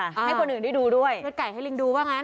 อ่าให้คนอื่นได้ดูด้วยและไก่ให้ลิงดูก็งั้น